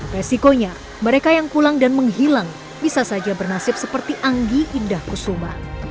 resikonya mereka yang pulang dan menghilang bisa saja bernasib seperti anggi indah kusuma